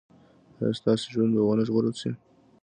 ایا ستاسو ژوند به و نه ژغورل شي؟